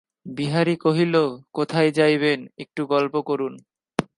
বিহারী কহিল, কোথায় যাইবেন, একটু গল্প করুন।